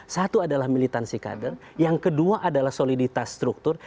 satu adalah militansi kader yang kedua adalah soliditas struktur